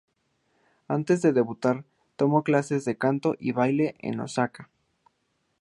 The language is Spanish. Antes de debutar, tomó clases de canto y baile en Osaka.